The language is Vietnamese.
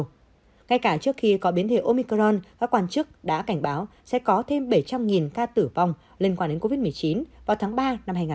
ngay cả trước khi có biến thể omicron các quan chức đã cảnh báo sẽ có thêm bảy trăm linh ca tử vong liên quan đến covid một mươi chín vào tháng ba năm hai nghìn hai mươi